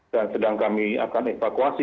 dan sedang kami akan evakuasi